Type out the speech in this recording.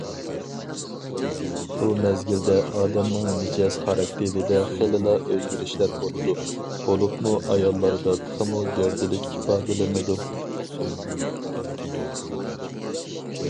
بۇ مەزگىلدە ئادەمنىڭ مىجەز- خاراكتېرىدە خېلىلا ئۆزگىرىشلەر بولىدۇ، بولۇپمۇ ئاياللاردا تېخىمۇ گەۋدىلىك ئىپادىلىنىدۇ.